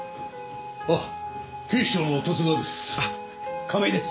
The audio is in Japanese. あっ警視庁の十津川です。